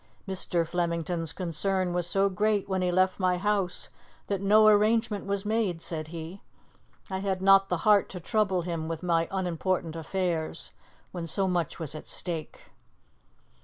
"Mr. Flemington's concern was so great when he left my house that no arrangement was made," said he. "I had not the heart to trouble him with my unimportant affairs when so much was at stake."